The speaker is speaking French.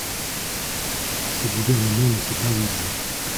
Ce gouvernement ne sait pas où il va.